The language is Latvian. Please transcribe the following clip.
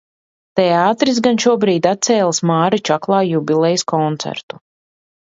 Teātris gan šobrīd atcēlis Māra Čaklā jubilejas koncertu.